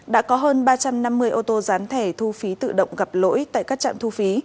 đã có hơn ba trăm năm mươi ô tô dán thẻ thu phí tự động gặp lỗi tại các trạm thu phí